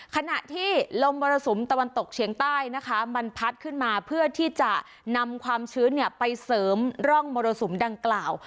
ขณะที่ลมมรสุมตะวันตกเฉียงใต้นะคะมันพัดขึ้นมาเพื่อที่จะนำความชื้นไปเสริมร่องมรสุมดังกล่าว